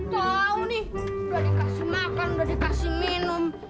kau nih sudah dikasih makan sudah dikasih minum